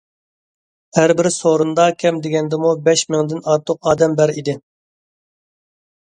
ھەر بىر سورۇندا كەم دېگەندىمۇ بەش مىڭدىن ئارتۇق ئادەم بار ئىدى.